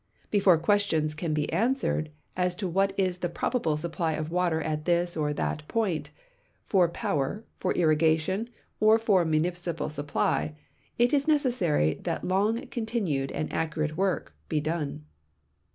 Before questions can be answered as to what is the probable supply of water at this or that point, for ))Ower, f(jr irrigation, or for municipal supply, it is nece.ssary that long continued and aceurat<' work be done.